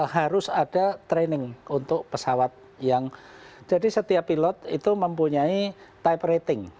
harus ada training untuk pesawat yang jadi setiap pilot itu mempunyai type rating